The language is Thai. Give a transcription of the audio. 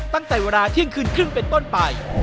ตั้งแต่เวลาเที่ยงคืนครึ่งเป็นต้นไป